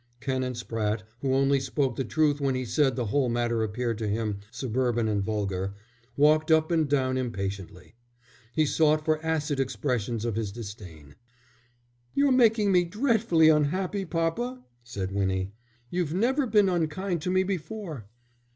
Canon Spratte, who only spoke the truth when he said the whole matter appeared to him suburban and vulgar, walked up and down impatiently. He sought for acid expressions of his disdain. "You're making me dreadfully unhappy, papa," said Winnie. "You've never been unkind to me before.